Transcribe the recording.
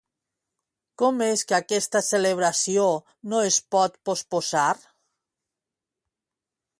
Com és que aquesta celebració no es pot posposar?